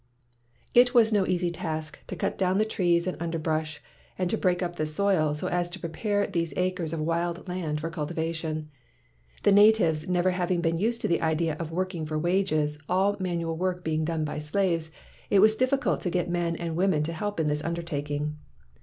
It was no easy task to cut down the trees and underbrush and to break up the soil, so as to prepare these acres of wild land for cultivation. The natives never having been used to the idea of working for wages, all manual work being done by slaves, it was dif ficult to get men and women to help in this undertaking.